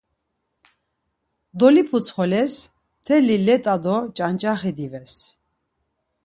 Doliputsxoles, mteli let̆a do ç̌anç̌axi dives.